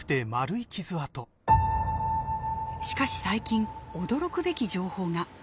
しかし最近驚くべき情報が。